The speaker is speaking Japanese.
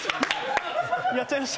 やっちゃいました。